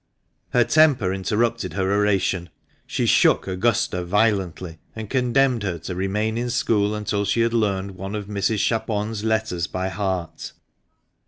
Her temper interrupted her oration ; she shook Augusta violently, and condemned her to remain in school until she had learned one of Mrs. Chapone's letters by heart.